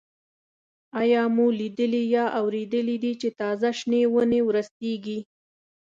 آیا مو لیدلي یا اورېدلي دي چې تازه شنې ونې ورستېږي؟